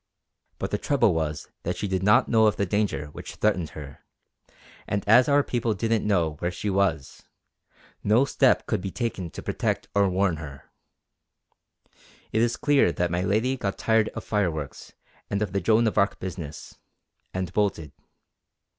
But the trouble was that she did not know of the danger which threatened her; and as our people didn't know where she was, no step could be taken to protect or warn her. It is clear that my lady got tired of fireworks and of the Joan of Arc business, and bolted.